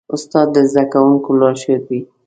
استاد د زدهکوونکو لارښود وي.